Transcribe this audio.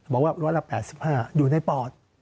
บอกว่าร้อยละ๘๕อยู่ในปอด